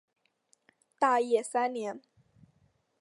大业三年。